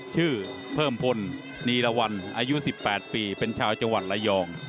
ชื่อเพิ่มพลนีละวันอายุ๑๘ปีเป็นชาวจังหวัดระยอง